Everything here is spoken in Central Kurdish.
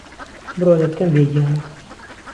برۆ دهتکەم بێ گیانه